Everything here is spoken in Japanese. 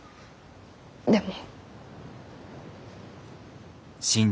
でも。